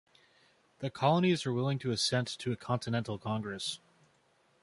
The colonies are willing to assent to a Continental Congress.